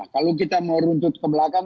kalau kita meruntut ke belakang